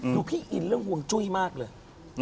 พี่อินเรื่องห่วงจุ้ยมากเลย